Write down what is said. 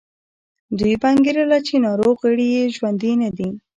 دوی به انګېرله چې ناروغ غړي یې ژوندي نه دي.